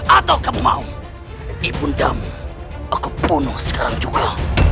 atau kamu mau ibundamu aku bunuh sekarang juga